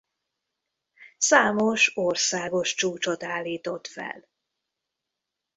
Számos országos csúcsot állított fel.